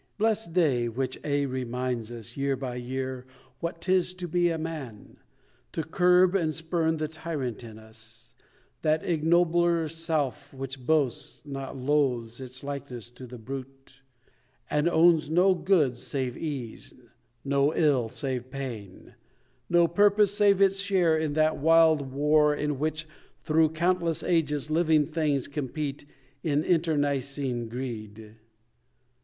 Blest day, which aye reminds us, year by year, What 'tis to be a man: to curb and spurn The tyrant in us; that ignobler self Which boasts, not loathes, its likeness to the brute, And owns no good save ease, no ill save pain, No purpose, save its share in that wild war In which, through countless ages, living things Compete in internecine greed.